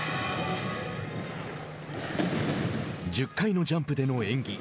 １０回のジャンプの演技。